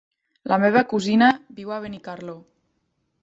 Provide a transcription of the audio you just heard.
La meva cosina viu a Benicarló.